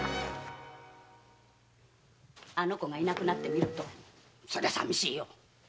あの子がいなくなってみるとそりゃさみしいよ。